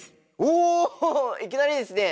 おいきなりですね。